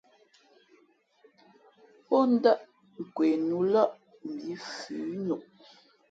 Pō ndάʼ kwe nu lαʼ mbī fʉ ά noʼ.